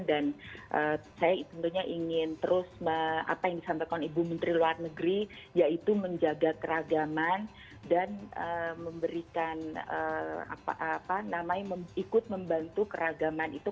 dan saya tentunya ingin terus apa yang disampaikan ibu menteri luar negeri yaitu menjaga keragaman dan memberikan apa apa namanya ikut membantu keragaman itu